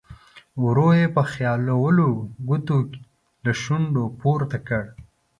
ورو یې په خیالولو ګوتو له شونډو پورته کړ.